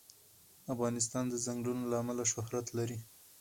افغانستان د ځنګلونه له امله شهرت لري.